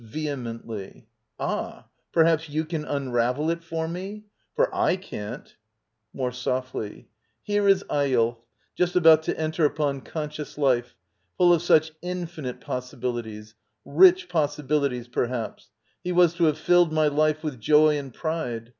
[Vehemently.] Ah? Perhaps you can unravel it for me ? For / can't. [More softly.] Here is Eyolf, just about to enter upon conscious life, full of such infinite possibilities — rich possi bilities, perhaps: he was to have filled my life with joy and pride.